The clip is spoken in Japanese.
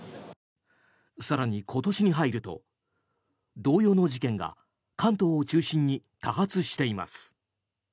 更に、今年に入ると同様の事件が関東を中心に多発しています。